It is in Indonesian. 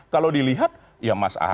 kalau dilihat ya mas ahy